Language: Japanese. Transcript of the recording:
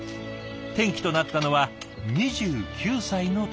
転機となったのは２９歳の時。